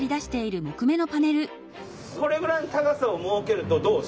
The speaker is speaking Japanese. これぐらいの高さを設けるとどう？